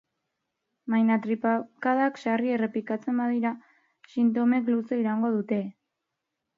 Baina tripakadak sarri errepikatzen badira, sintomek luze iraungo dute.